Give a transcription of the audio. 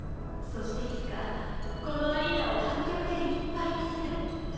そしていつかこのアリーナを観客でいっぱいにする。